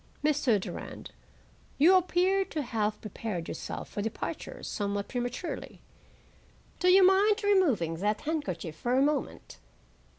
Mr. Durand, you appear to have prepared yourself for departure somewhat prematurely. Do you mind removing that handkerchief for a moment?